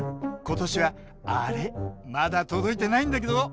今年はあれまだ届いてないんだけど？